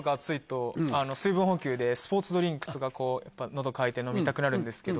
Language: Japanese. スポーツドリンクとか喉渇いて飲みたくなるんですけど。